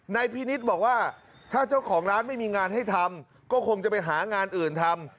พินิษฐ์บอกว่าถ้าเจ้าของร้านไม่มีงานให้ทำก็คงจะไปหางานอื่นทำ